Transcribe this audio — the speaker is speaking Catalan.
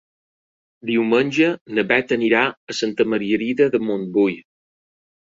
Diumenge na Bet anirà a Santa Margarida de Montbui.